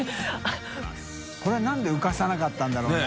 海譴なんで浮かさなかったんだろうね？